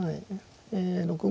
６五